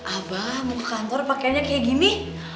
abah mau ke kantor pakainya kayak gini